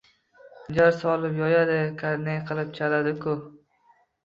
Jar solib yoyadi, karnay qilib chaladi-ku!